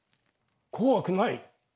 怖くない！